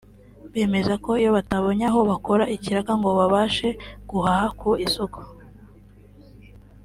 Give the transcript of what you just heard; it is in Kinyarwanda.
Bemeza ko iyo batabonye aho bakora ikiraka ngo babashe guhaha ku isoko